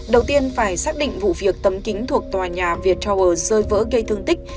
đầu tiên phải xác định vụ việc tấm kính thuộc tòa nhà viettor rơi vỡ gây thương tích